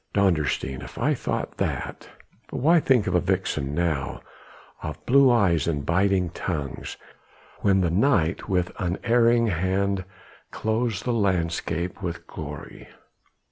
Dondersteen! if I thought that...." But why think of a vixen now, of blue eyes and biting tongues, when the night with unerring hand clothes the landscape with glory.